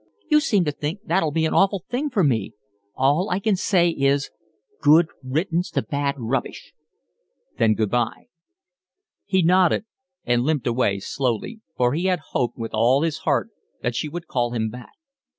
"You seem to think that'll be an awful thing for me. All I say is, good riddance to bad rubbish." "Then good bye." He nodded and limped away slowly, for he hoped with all his heart that she would call him back.